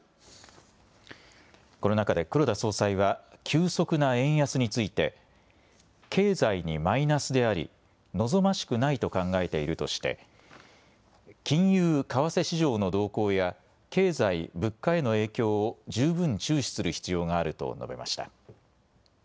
この中で黒田総裁は急速な円安について経済にマイナスであり望ましくないと考えているとして金融・為替市場の動向や経済物価への影響を十分注視する必要があると述べました。